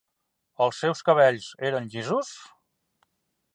Els seus cabells eren llisos?